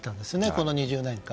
この２０年間。